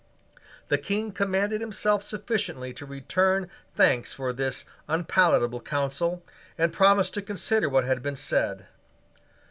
The King commanded himself sufficiently to return thanks for this unpalatable counsel, and promised to consider what bad been said.